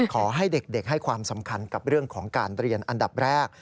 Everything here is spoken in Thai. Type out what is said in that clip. ขอให้เด็กให้ความสำคัญกับเรื่องของการเรียนอันดับแรก